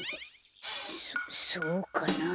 そそうかなあ？